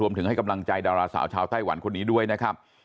ถึงให้กำลังใจดาราสาวชาวไต้หวันคนนี้ด้วยนะครับ